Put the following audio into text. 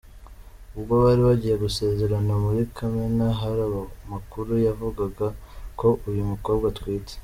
Ubwo bari bagiye gusezerana muri Kamena hari amakuru yavugaga ko uyu mukobwa atwite.